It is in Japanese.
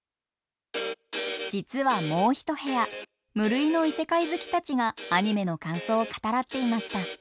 実はもう一部屋無類の異世界好きたちがアニメの感想を語らっていました。